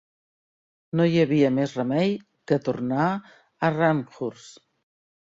No hi havia més remei que tornar a Randhurst.